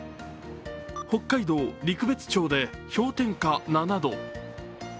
北海道陸別町で氷点下７度。